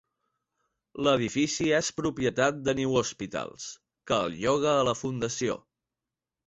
L'edifici és propietat de New Hospitals, que el lloga a la fundació.